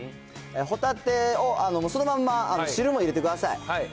ホタテをそのまんま汁も入れてください。